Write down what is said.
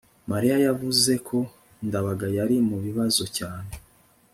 mariya yavuze ko ndabaga yari mu bibazo cyane